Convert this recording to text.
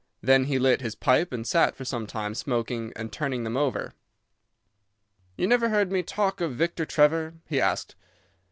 Then he lit his pipe and sat for some time smoking and turning them over. "You never heard me talk of Victor Trevor?" he asked.